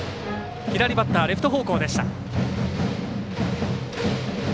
左バッター、レフト方向でした。